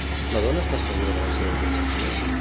La dona està segura de les seves decisions?